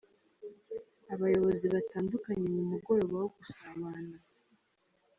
Abayobozi batandukanye mu mugoroba wo gusabana.